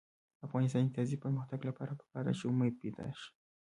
د افغانستان د اقتصادي پرمختګ لپاره پکار ده چې امید پیدا شي.